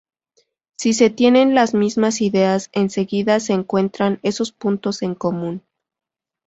Si se tienen las mismas ideas enseguida se encuentran esos puntos en común.